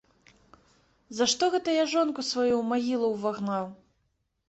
За што гэта я жонку сваю ў магілу ўвагнаў?